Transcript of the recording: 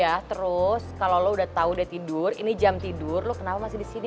ya terus kalau lo udah tau udah tidur ini jam tidur lo kenapa masih di sini